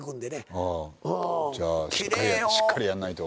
じゃあしっかりやんないと。